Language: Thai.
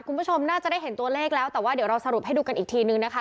คุณผู้ชมน่าจะได้เห็นตัวเลขแล้วแต่ว่าเดี๋ยวเราสรุปให้ดูกันอีกทีนึงนะคะ